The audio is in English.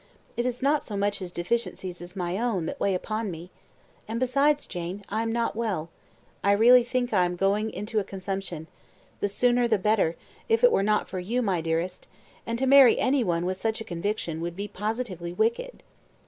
It is not so much his deficiencies as my own, that weigh upon me. And, besides, Jane, I am not well; I really think I am going into a consumption the sooner the better, if it were not for you, my dearest and to marry any one with such a conviction, would be positively wicked."